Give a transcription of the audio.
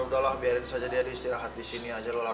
udahlah biarin saja dia istirahat di sini aja